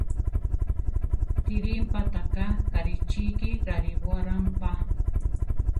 Tirimpa ta ka Karichiki rariborampa.